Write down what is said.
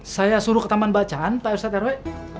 saya suruh ke taman bacaan pak ustadz rw